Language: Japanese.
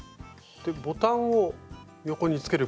ボタンを横につけることで。